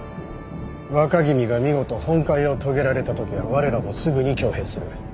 若君が見事本懐を遂げられた時は我らもすぐに挙兵する。